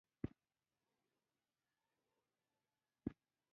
احمد، علي ته غول ور وستل.